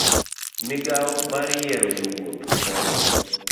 Migawo mar Yiero Jowuoth kod